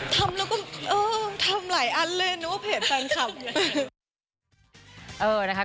ทำแล้วก็เออทำหลายอันเลยนึกว่าเพจแฟนคลับเลย